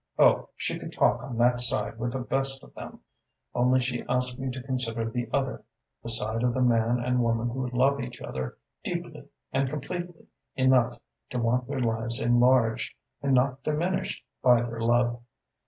Oh, she could talk on that side with the best of them: only she asked me to consider the other the side of the man and woman who love each other deeply and completely enough to want their lives enlarged, and not diminished, by their love.